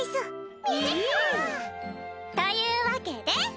みゃ。というわけで！